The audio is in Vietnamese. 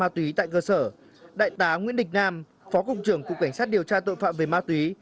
tại cơ sở đại tá nguyễn đình nam phó cục trưởng cục cảnh sát điều tra tội phạm về ma túy